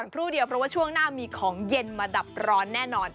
ครู่เดียวเพราะว่าช่วงหน้ามีของเย็นมาดับร้อนแน่นอน